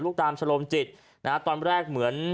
ลูกตาลชลมจิตตอนแรกเหมือน